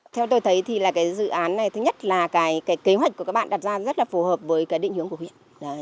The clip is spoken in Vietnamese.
theo tôi thấy thì là cái dự án này thứ nhất là cái kế hoạch của các bạn đặt ra rất là phù hợp với cái định hướng của huyện